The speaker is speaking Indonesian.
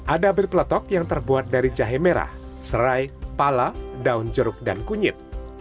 ada bir peletok yang terbuat dari jahe merah serai pala daun jeruk dan kunyit